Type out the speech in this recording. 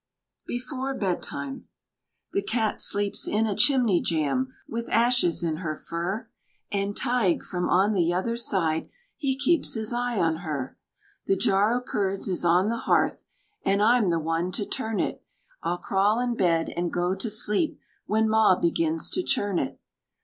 Before Bedtime The cat sleeps in a chimney jam With ashes in her fur, An' Tige, from on the yuther side, He keeps his eye on her. The jar o' curds is on the hearth, An' I'm the one to turn it. I'll crawl in bed an' go to sleep When maw begins to churn it.